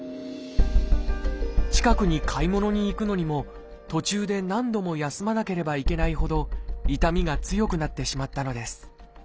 近くに買い物に行くのにも途中で何度も休まなければいけないほど痛みが強くなってしまったのです。